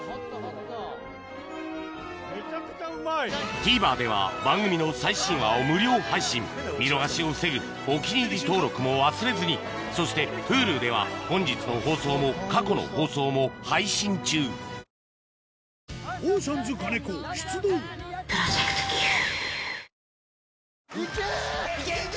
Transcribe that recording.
ＴＶｅｒでは番組の最新話を無料配信見逃しを防ぐ「お気に入り」登録も忘れずにそしてＨｕｌｕでは本日の放送も過去の放送も配信中ジュー